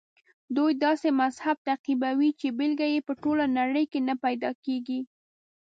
دوی داسې مذهب تعقیبوي چې بېلګه یې په ټوله نړۍ کې نه پیدا کېږي.